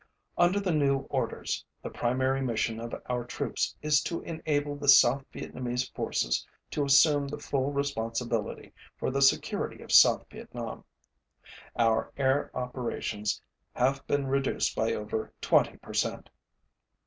Under the new orders, the primary mission of our troops is to enable the South Vietnamese forces to assume the full responsibility for the security of South Vietnam. Our air operations have been reduced by over 20 per cent.